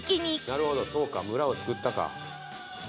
なるほどそうか村を救ったか。